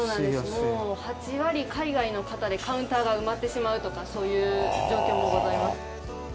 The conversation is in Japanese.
もう８割海外の方でカウンターが埋まってしまうとかそういう状況もございます。